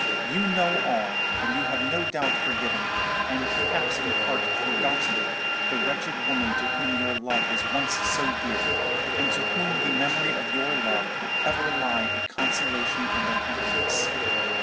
You know all, and you have no doubt forgiven, and perhaps in part forgotten, the wretched woman to whom your love was once so dear, and to whom the memory of your love will ever lie a consolation and a happiness.